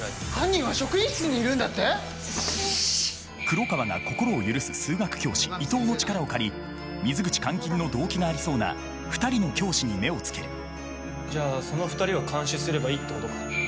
黒川が心を許す数学教師伊藤の力を借り水口監禁の動機がありそうな２人の教師に目をつけるじゃあその２人を監視すればいいってことか。